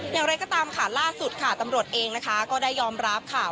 อย่างไรก็ตามค่ะล่าสุดค่ะตำรวจเองนะคะก็ได้ยอมรับค่ะ